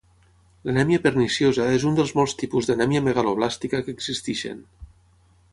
L'anèmia perniciosa és un dels molts tipus d'anèmia megaloblàstica que existeixen.